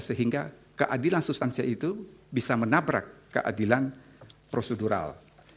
sehingga keadilan substansial itu bisa menabrak keadilan prosedural